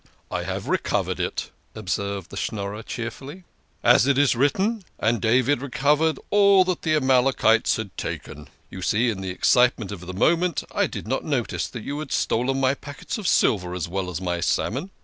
" I have recovered it !" observed the Schnorrer cheer fully. " As it is written, ' And David recovered all that the Amalekites had taken.' You see in the excitement of the moment I did not notice that you had stolen my packets of silver as well as my salmon.